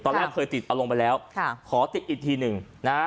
ตอนแรกเคยติดอารมณ์ไปแล้วขอติดอีกทีหนึ่งนะฮะ